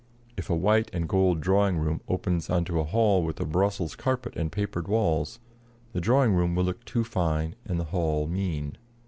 If a white and gold drawing room opens on a hall with a Brussels carpet and papered walls, the drawing room will look too fine and the hall mean.